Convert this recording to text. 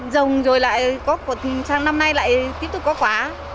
dồng rồi lại có quả sáng năm nay lại tiếp tục có quả